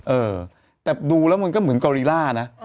เออแต่ดูแล้วมันก็เหมือนกอรีล่านะ